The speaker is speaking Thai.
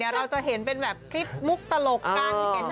เราจะเห็นเป็นแบบคลิปมุกตลกกัน